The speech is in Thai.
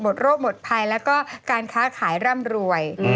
โรคหมดภัยแล้วก็การค้าขายร่ำรวย